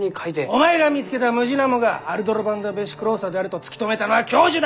お前が見つけたムジナモがアルドロヴァンダ・ヴェシクローサであると突き止めたのは教授だ！